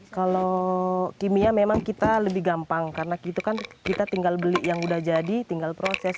kalau kimia memang kita lebih gampang karena gitu kan kita tinggal beli yang udah jadi tinggal proses